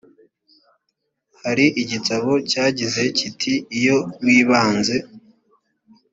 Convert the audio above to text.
hari igitabo cyagize kiti iyo wibanze